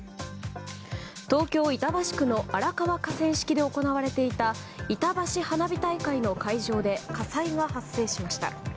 東京・板橋区の荒川河川敷で行われていたいたばし花火大会の会場で火災が発生しました。